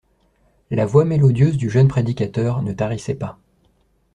La voix mélodieuse du jeune prédicateur ne tarissait pas.